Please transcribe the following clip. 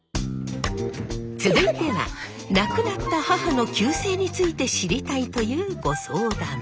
続いては亡くなった母の旧姓について知りたいというご相談。